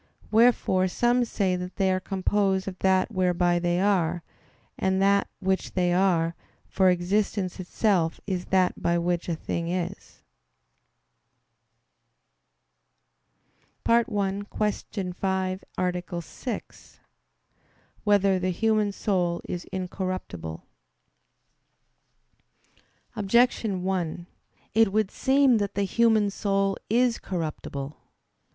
Wherefore some say that they are composed of that "whereby they are" and that "which they are"; for existence itself is that by which a thing is. _______________________ SIXTH ARTICLE [I, Q. 75, Art. 6] Whether the Human Soul Is Incorruptible? Objection 1: It would seem that the human soul is corruptible.